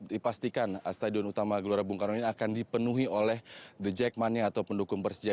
dipastikan stadion utama gelora bung karno ini akan dipenuhi oleh the jackmania atau pendukung persija